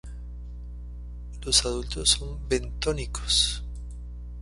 Los adultos son bentónicos.